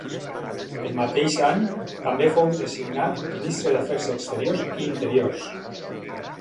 El mateix any, també fou designat Ministre d'Afers Exteriors i Interiors.